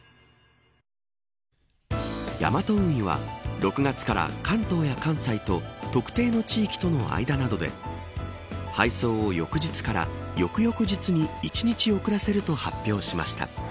ヤマト運輸は６月から関東や関西と特定の地域との間などで配送を翌日から翌々日に１日遅らせると発表しました。